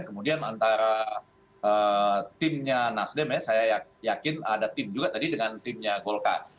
kemudian antara timnya nasdem ya saya yakin ada tim juga tadi dengan timnya golkar